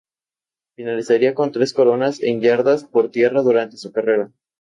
Finalizaría con tres coronas en yardas por tierra durante su carrera.